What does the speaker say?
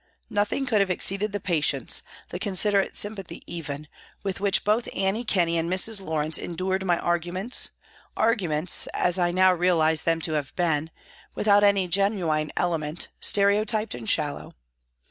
Nothing could have exceeded the patience, the considerate sympathy even, with which both Annie Kenney and Mrs. Lawrence endured my arguments, arguments, as I now realise them to have been, without any genuine element, stereotyped and shallow.